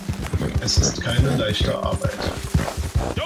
Es ist keine leichte Arbeit.